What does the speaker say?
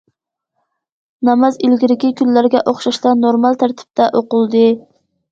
ناماز ئىلگىرىكى كۈنلەرگە ئوخشاشلا نورمال تەرتىپتە ئوقۇلدى.